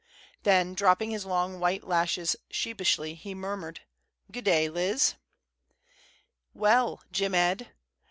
Then, dropping his long white lashes sheepishly, he murmured, "Good day, Liz." "Well, Jim Ed!"